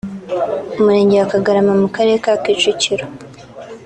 Umurenge wa Kagarama mu Karere ka Kicukiro